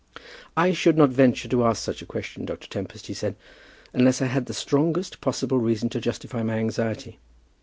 "I should not venture to ask such a question, Dr. Tempest," he said, "unless I had the strongest possible reason to justify my anxiety."